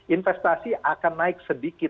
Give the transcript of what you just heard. investasi akan naik sedikit